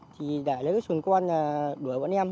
thì để lấy cái súng con đuổi bọn em